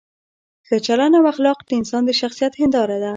ښه چلند او اخلاق د انسان د شخصیت هنداره ده.